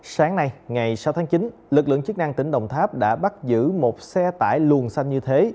sáng nay ngày sáu tháng chín lực lượng chức năng tỉnh đồng tháp đã bắt giữ một xe tải luồn xanh như thế